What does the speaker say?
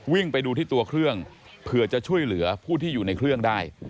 วิ่งไปดูที่ตัวเครื่องเผื่อจะช่วยเหลือผู้ที่อยู่ในเครื่องได้